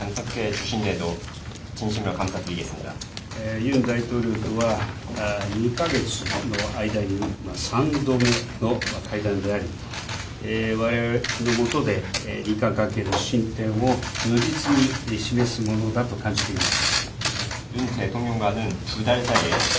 ユン大統領とは２か月の間に３度目の会談であり、われわれの下で日韓関係の進展を如実に示すものだと感じています。